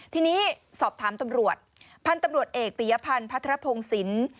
ทีนี้สอบถามตำรวจพันธุ์ตำรวจเอกปียพันธ์พัทรพงศิลป์